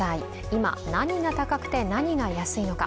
今、何が高くて何が安いのか。